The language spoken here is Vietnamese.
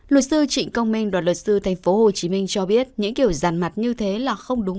luật sư trịnh công minh đoàn luật sư tp hcm cho biết những kiểu giàn mặt như thế là không đúng